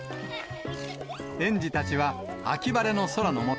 園児たちは、秋晴れの空の下、